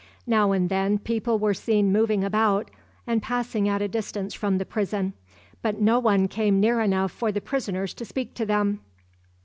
Now and then people were seen moving about, and passing at a distance from the prison; but no one came near enough for the prisoners to speak to them.